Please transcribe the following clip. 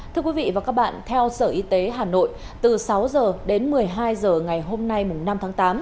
thưa quý vị và các bạn theo sở y tế hà nội từ sáu h đến một mươi hai h ngày hôm nay năm tháng tám